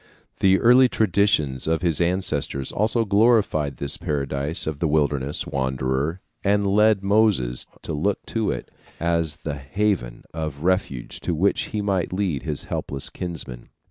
The early traditions of his ancestors also glorified this paradise of the wilderness wanderer and led Moses to look to it as the haven of refuge to which he might lead his helpless kinsmen.